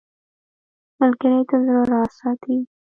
ملګری د زړه راز ساتي